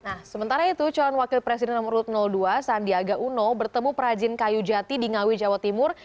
nah sementara itu calon wakil presiden nomor dua sandiaga uno bertemu perajin kayu jati di ngawi jawa timur